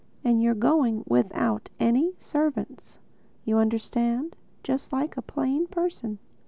And you're going without any servants, you understand—just like a plain person.